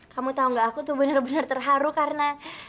kamu tahu nggak aku tuh bener bener terharu karena